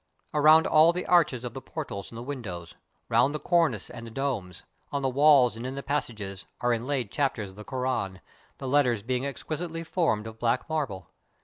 Around all the arches of the portals and the windows — around the cornice and the domes — on the walls and in the passages, are inlaid chapters of the Koran, the letters being exquisitely formed of black marble.